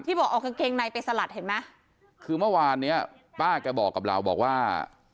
บอกเอากางเกงในไปสลัดเห็นไหมคือเมื่อวานเนี้ยป้าแกบอกกับเราบอกว่า